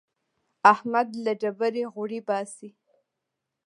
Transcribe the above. احمد له ډبرې غوړي باسي.